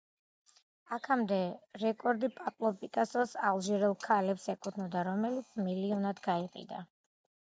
აქამდე რეკორდი პაბლო პიკასოს „ალჟირელ ქალებს“ ეკუთვნოდა, რომელიც მილიონად გაიყიდა.